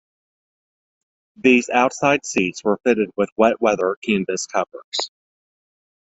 These outside seats were fitted with wet-weather canvas covers.